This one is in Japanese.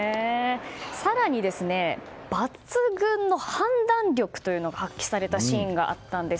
更に、抜群の判断力が発揮されたシーンがあったんです。